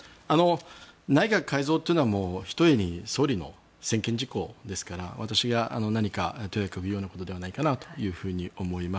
内閣改造というのはひとえに総理の専権事項ですから私が何か、とやかく言うことではないかなと思います。